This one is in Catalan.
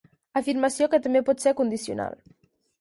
Afirmació que també pot ser condicional.